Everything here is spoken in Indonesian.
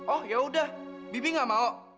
oh yaudah bibi gak mau